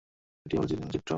এটি একটি ভৌতিক চলচ্চিত্র।